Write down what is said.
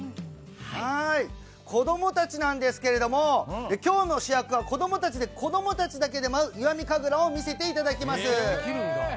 子どもたちなんですけれど今日の主役は子どもたちで子どもたちだけで舞う石見神楽を見せていただきます。